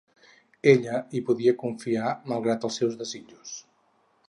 Ella hi podia confiar, malgrat els seus desitjos.